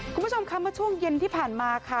คุณผู้ชมค่ะเมื่อช่วงเย็นที่ผ่านมาค่ะ